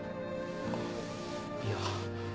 いや。